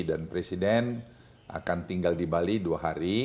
dan presiden akan tinggal di bali dua hari